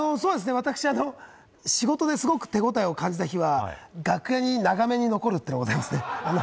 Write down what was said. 私、仕事ですごく手応えを感じた日は、楽屋に長めに残るってことでございますね。